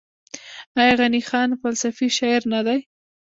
آیا غني خان فلسفي شاعر نه دی؟